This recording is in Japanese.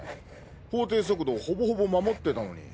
法定速度ほぼほぼ守ってたのに。